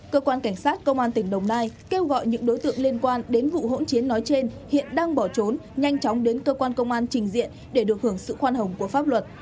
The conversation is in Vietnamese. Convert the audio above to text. cơ quan cảnh sát công an tỉnh đồng nai kêu gọi những đối tượng liên quan đến vụ hỗn chiến nói trên hiện đang bỏ trốn nhanh chóng đến cơ quan công an trình diện để được hưởng sự khoan hồng của pháp luật